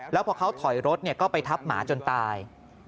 แล้วพอเขาถอยรถก็ไปทับหมาจนตาย